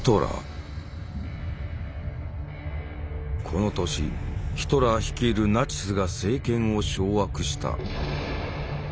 この年ヒトラー率いるナチスが政権を掌握した。